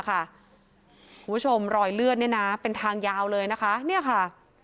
คุณผู้ชมรอยเลือดเนี่ยนะเป็นทางยาวเลยนะคะเนี่ยค่ะ